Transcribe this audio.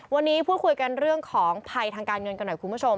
วันนี้พูดคุยกันเรื่องของภัยทางการเงินกันหน่อยคุณผู้ชม